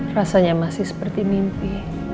rasanya masih seperti mimpi